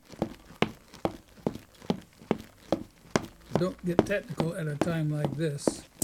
Don't get technical at a time like this.